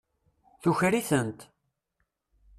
Tuker-itent.